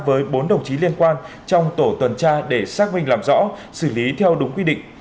với bốn đồng chí liên quan trong tổ tuần tra để xác minh làm rõ xử lý theo đúng quy định